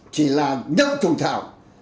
chỉ là nhậu trùng thảo